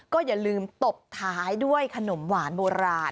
ก็อย่าลืมตบท้ายด้วยขนมหวานโบราณ